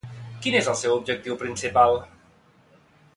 Quin és el seu objectiu principal?